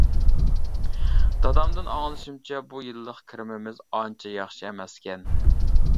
دادامدىن ئاڭلىشىمچە بۇ يىللىق كىرىمىمىز ئانچە ياخشى ئەمەسكەن.